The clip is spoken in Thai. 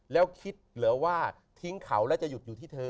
แต่ว่าทิ้งเขาแล้วจะหยุดอยู่ที่เธอ